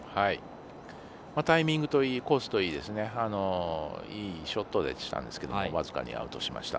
タイミングといいコースといいいいショットでしたけど僅かにアウトしました。